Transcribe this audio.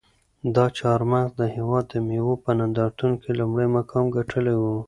دا چهارمغز د هېواد د مېوو په نندارتون کې لومړی مقام ګټلی و.